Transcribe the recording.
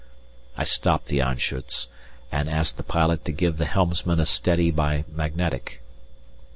I stopped the Anschutz and asked the pilot to give the helmsman a steady by magnetic.